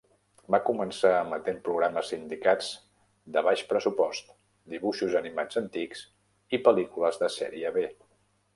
Va començar emetent programes sindicats de baix pressupost, dibuixos animats antics i pel·lícules de sèrie B.